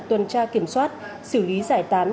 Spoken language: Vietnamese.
tuần tra kiểm soát xử lý giải tán